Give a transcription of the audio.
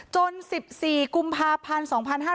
จน๑๔กุมภาพันธ์๒๕๖๓